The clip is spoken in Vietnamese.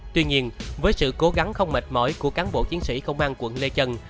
tuy nhiên với sự cố gắng không mệt mỏi của cán bộ chiến sĩ công an quận lê chân